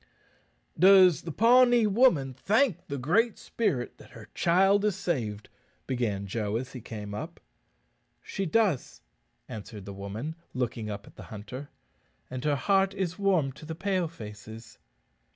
"Does the Pawnee woman thank the Great Spirit that her child is saved?" began Joe as he came up. "She does," answered the woman, looking up at the hunter. "And her heart is warm to the Pale faces."